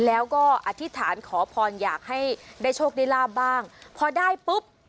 แล้วก็อธิษฐานขอพรอยากให้ได้โชคได้ลาบบ้างพอได้ปุ๊บ